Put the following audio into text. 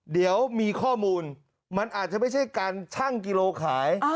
เดี๋ยวมีข้อมูลมันอาจจะไม่ใช่การชั่งกิโลขาย